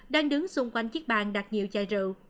đang đứng xung quanh chiếc bàn đặt nhiều chài rượu